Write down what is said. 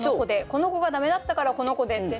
この子が駄目だったからこの子でって。